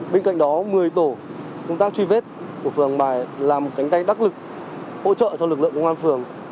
bên cạnh đó một mươi tổ công tác truy vết của phường hàng bài làm cánh tay đắc lực hỗ trợ cho lực lượng công an phường